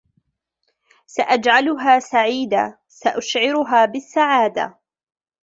سأجعلها سعيدة - سأشعرها بالسعادة